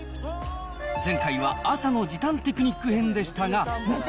前回は朝の時短テクニック編でしたが。